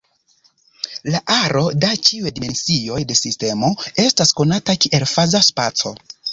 La aro da ĉiuj dimensioj de sistemo estas konata kiel faza spaco.